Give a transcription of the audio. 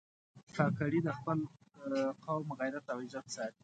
کاکړي د خپل قوم غیرت او عزت ساتي.